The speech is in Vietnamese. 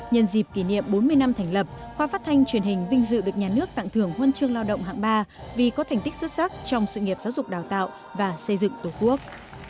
nhân dịp kỷ niệm bốn mươi năm thành lập khoa phát thanh truyền hình vinh dự được nhà nước tặng thưởng huân chương lao động hạng ba vì có thành tích xuất sắc trong sự nghiệp giáo dục đào tạo và xây dựng tổ quốc